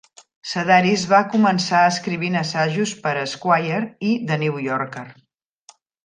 Sedaris va començar escrivint assajos per a "Esquire" i "The New Yorker".